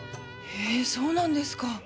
へえそうなんですか